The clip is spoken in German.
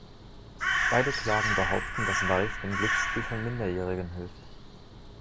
Beide Klagen behaupten, dass Valve beim Glücksspiel von Minderjährigen hilft.